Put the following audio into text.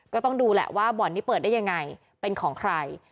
ก็ต้องดูแหละว่าบ่อนนี้เปิดได้ยังไงเป็นของใคร